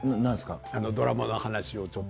ドラマの話とか。